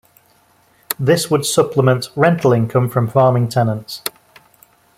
This would supplement rental income from farming tenants.